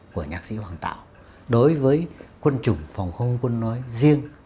của nhạc sĩ hoàng tạo đối với quân chủng phòng không quân nói riêng